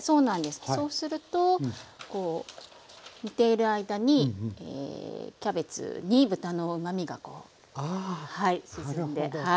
そうすると煮ている間にキャベツに豚のうまみが沈んでおいしくなります。